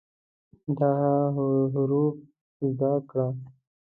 دا حروف زده کړه